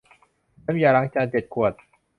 น้ำยาล้างจานเจ็ดขวด